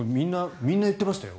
みんな言ってましたよ。